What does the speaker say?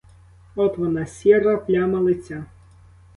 От вона — сіра пляма лиця.